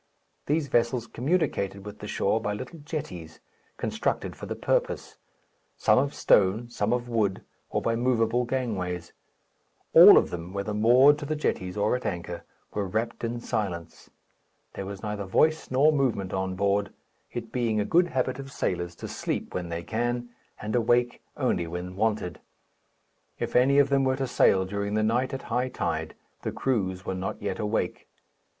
These vessels communicated with the shore by little jetties, constructed for the purpose, some of stone, some of wood, or by movable gangways. All of them, whether moored to the jetties or at anchor, were wrapped in silence. There was neither voice nor movement on board, it being a good habit of sailors to sleep when they can, and awake only when wanted. If any of them were to sail during the night at high tide, the crews were not yet awake.